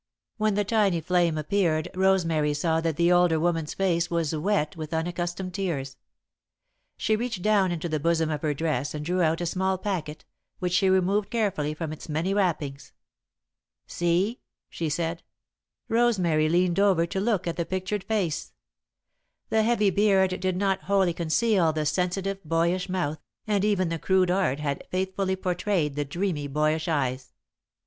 When the tiny flame appeared, Rosemary saw that the older woman's face was wet with unaccustomed tears. She reached down into the bosom of her dress and drew out a small packet, which she removed carefully from its many wrappings. "See," she said. [Sidenote: It Might Have Been] Rosemary leaned over to look at the pictured face. The heavy beard did not wholly conceal the sensitive, boyish mouth, and even the crude art had faithfully portrayed the dreamy, boyish eyes.